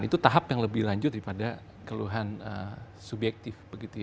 itu tahap yang lebih lanjut daripada keluhan subjektif